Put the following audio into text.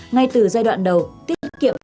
ngay từ giai đoạn đầu tiết kiệm